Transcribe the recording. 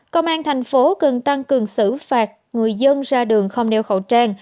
công an thành phố cần tăng cường xử phạt người dân ra đường không đeo khẩu trang